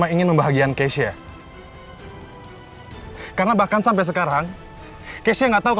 ini untuk saudaraku